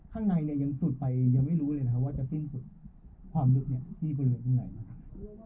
ข้างในเนี่ยยังสุดไปยังไม่รู้เลยนะครับว่าจะสิ้นสุดความลึกที่บริเวณตรงไหนนะครับ